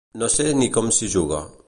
No sé ni com s'hi juga.